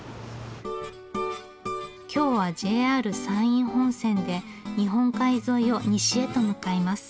今日はＪＲ山陰本線で日本海沿いを西へと向かいます。